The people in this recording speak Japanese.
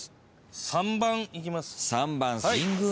３番いきます。